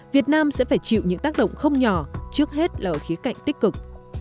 việt nam sẽ phải chịu những tác động không nhỏ trước hết là ở khía cạnh tích cực